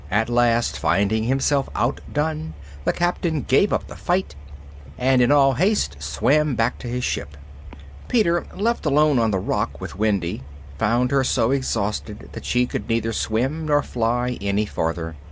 At last, finding himself outdone, the Captain gave up the fight, and in all haste swam back to his ship. [Illustration: A FIERCE FIGHT ENSUED] Peter, left alone on the rock with Wendy, found her so exhausted that she could neither swim nor fly any farther.